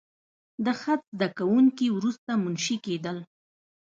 د خط زده کوونکي وروسته منشي کېدل.